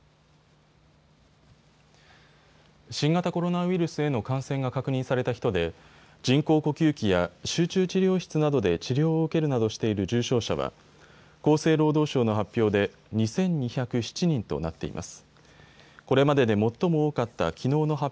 新型コロナウイルスへの感染が確認された人で人工呼吸器や集中治療室などで治療を受けるなどしている重症者は厚生労働省の発表で２２０７人となっています。